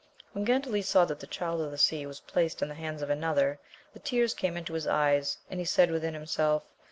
When Gandales saw that the Child of the Sea was placed in the hands of another, the tears came into his eyes, and he said within himself.